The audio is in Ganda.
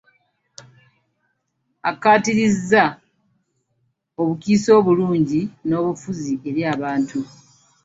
Akkaatiriza obukiise obulungi n'obufuzi eri abantu.